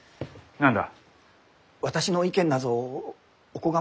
何だ？